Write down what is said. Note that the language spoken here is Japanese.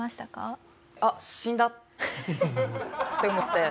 「あっ死んだ」って思って。